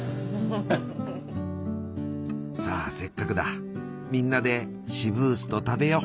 さあせっかくだみんなでシブースト食べよう。